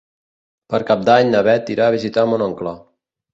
Per Cap d'Any na Beth irà a visitar mon oncle.